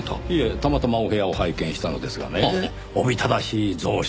たまたまお部屋を拝見したのですがねおびただしい蔵書。